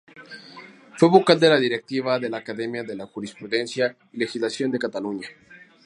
Fue vocal de la directiva de la Academia de Jurisprudencia y Legislación de Cataluña.